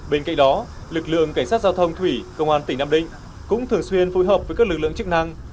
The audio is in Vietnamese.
bên cạnh đó lực lượng cảnh sát giao thông thủy công an tỉnh nam định cũng thường xuyên phối hợp với các lực lượng chức năng